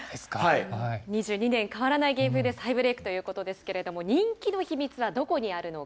２２年、変わらない芸風で再ブレークということですけれども、人気の秘密はどこにあるのか。